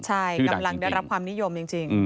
ใช่กำลังได้รับความนิยมจริง